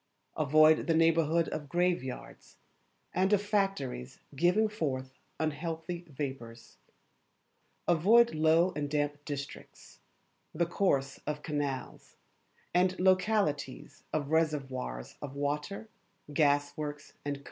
Avoid the neighbourhood of graveyards, and of factories giving forth unhealthy vapours. Avoid low and damp districts, the course of canals, and localities of reservoirs of water, gas works, &c.